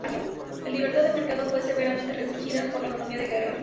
La libertad de mercado fue severamente restringida por la economía de guerra.